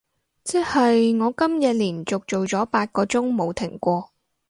即係我今日連續做咗八個鐘冇停過